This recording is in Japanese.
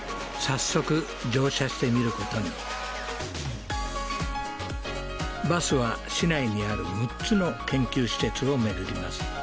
早速乗車してみることにバスは市内にある６つの研究施設を巡ります